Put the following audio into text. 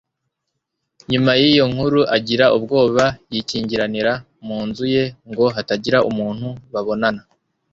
Nyuma y'iyo nkuru, agira ubwoba, yikingiranira mu nzu ye ngo hatagira umuntu babonana.